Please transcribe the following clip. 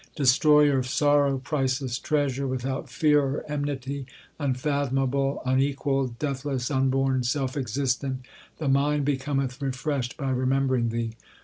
Destroyer of sorrow, priceless treasure, Without fear or enmity, unfathomable, unequalled, Deathless, unborn, self existent ; the mind becometh re freshed by remembering Thee.